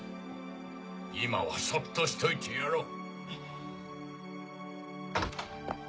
今はそっとしといてやろう。